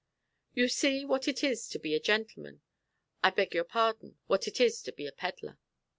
You see what it is to be a gentleman—I beg your pardon, what it is to be a pedlar.